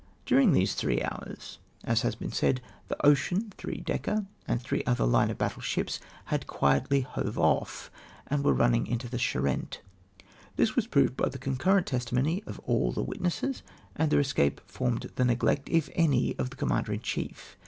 During these three hours, as has been said, the Ocean, three decker, and the three other line of battle shi])s had quietly hove off, and were running into the Charente. This was proved by the concurrent testimony of all tlie witnesses, and their escape formed the neglect, if any, of the Commander in chief.